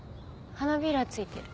花びら付いてる。